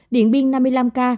điện biên năm mươi năm ca